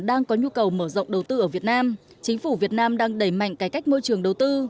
đang có nhu cầu mở rộng đầu tư ở việt nam chính phủ việt nam đang đẩy mạnh cải cách môi trường đầu tư